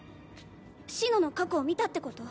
紫乃の過去を見たってこと？